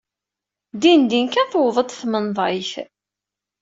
Dindin kan tewweḍ-d tmenḍayt.